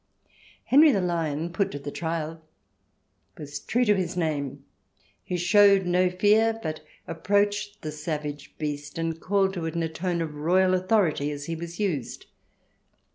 Henry the Lion, put to the trial, was true to his name. He showed no fear, but approached the savage beast, and called to it in a tone of royal authority, as he was used.